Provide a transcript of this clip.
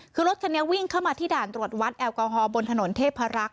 คือรถคันนี้วิ่งเข้ามาที่ด่านตรวจวัดแอลกอฮอล์บนถนนเทพรักษ